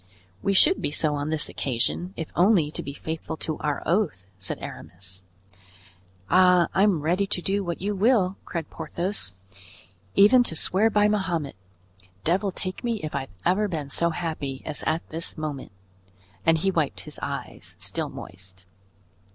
"We should be so on this occasion, if only to be faithful to our oath," said Aramis. "Ah, I'm ready to do what you will," cried Porthos; "even to swear by Mahomet. Devil take me if I've ever been so happy as at this moment." And he wiped his eyes, still moist.